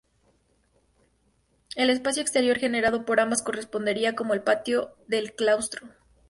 El espacio exterior generado por ambas correspondería con el patio del claustro.